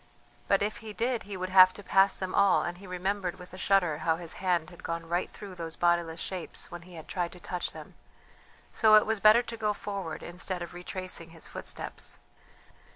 But if he did he would have to pass them all, and he remembered with a shudder how his hand had gone right through those bodiless shapes when he had tried to touch them, so it was better to go forward instead of retracing his footsteps.